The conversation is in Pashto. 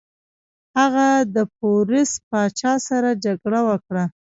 هغه د پوروس پاچا سره جګړه وکړه.